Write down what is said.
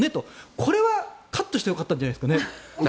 これはカッとしてよかったんじゃないですかね。